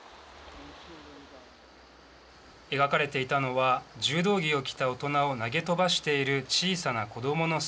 描かれていたのは柔道着を着た大人を投げ飛ばしている小さな子どもの姿。